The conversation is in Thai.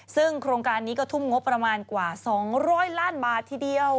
ซึ่งโครงการนี้ก็ทุ่มงบประมาณกว่า๒๐๐ล้านบาททีเดียว